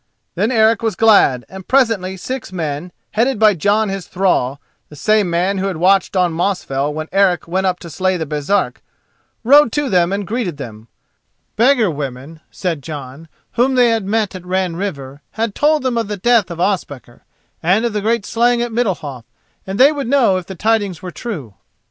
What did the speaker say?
Then Eric was glad, and presently six men, headed by Jon his thrall, the same man who had watched on Mosfell when Eric went up to slay the Baresark, rode to them and greeted them. "Beggar women," said Jon, "whom they met at Ran River, had told them of the death of Ospakar, and of the great slaying at Middalhof, and they would know if the tidings were true."